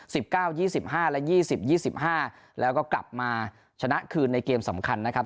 สิบเก้ายี่สิบห้าและยี่สิบยี่สิบห้าแล้วก็กลับมาชนะคืนในเกมสำคัญนะครับ